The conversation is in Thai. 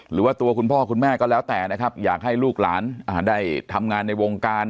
หรือว่าตัวคุณพ่อคุณแม่ก็แล้วแต่นะครับอยากให้ลูกหลานได้ทำงานในวงการ